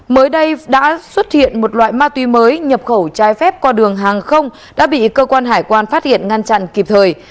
mới đây đã xuất hiện một loại ma túy mới nhập khẩu trái phép qua đường hàng không đã bị cơ quan hải quan phát hiện ngăn chặn kịp thời